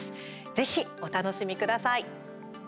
ぜひ、お楽しみください。